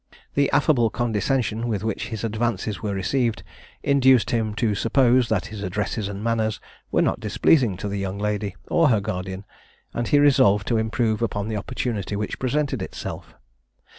The affable condescension with which his advances were received, induced him to suppose, that his address and manners were not displeasing to the young lady, or her guardian, and he resolved to improve upon the opportunity which presented itself.